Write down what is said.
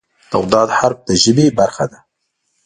د "ض" حرف د ژبې برخه ده.